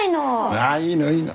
ああいいのいいの。